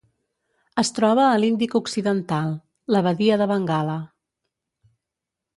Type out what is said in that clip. Es troba a l'Índic occidental: la badia de Bengala.